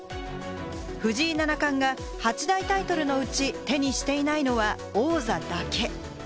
藤井七冠が八大タイトルのうち、手にしていないのは王座だけ。